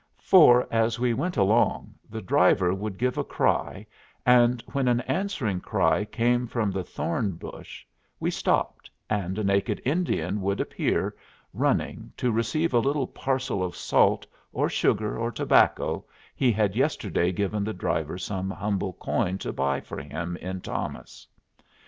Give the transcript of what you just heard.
For as we went along the driver would give a cry, and when an answering cry came from the thorn bush we stopped, and a naked Indian would appear, running, to receive a little parcel of salt or sugar or tobacco he had yesterday given the driver some humble coin to buy for him in Thomas.